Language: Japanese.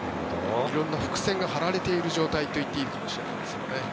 色んな伏線が張られている状態と言っていいかもしれません。